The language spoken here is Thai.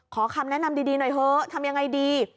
ขอคำแนะนำดีหน่อยเถอะทำยังไงดี